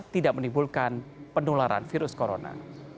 tidak menimbulkan penularan virus corona